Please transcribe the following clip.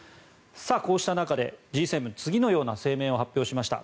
こうした中で、Ｇ７次のような声明を発表しました。